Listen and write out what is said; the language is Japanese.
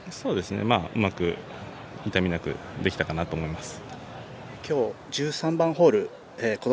うまく痛みなく、できたかなと思います。